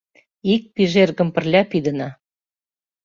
Ик пижергым пырля пидына.